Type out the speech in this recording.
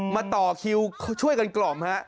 ต่อคิวช่วยกันกล่อมฮะ